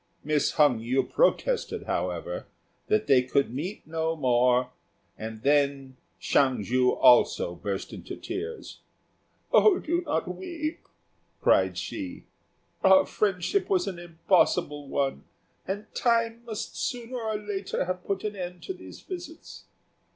Miss Hung yü protested, however, that they could meet no more, and then Hsiang ju also burst into tears. "Do not weep," cried she, "our friendship was an impossible one, and time must sooner or later have put an end to these visits.